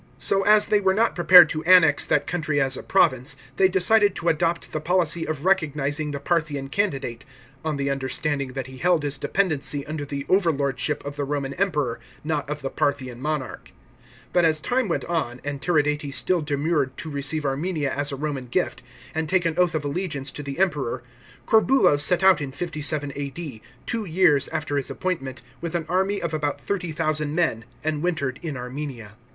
So as they were not prepared to annex that country as a province, they decided to adopt the policy of recognizing the Parthian candidate, on the understanding that he held his dependency under the over lordship of the Roman Emperor, not of the Parthian monarch. But as time went on and Tiridates still demurred to receive Armenia as a Roman gift, and take an oath of allegiance to the Emperor, Corbulo set out in 57 A.D., two years after his appointment, with an army of about 30,000 men, and wintered in Armenia.